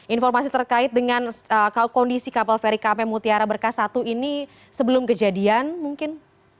informasi terkait dengan kondisi kapal feri kp mutiara berkas satu ini sebelum kejadian mungkin